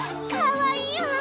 かわいいわ！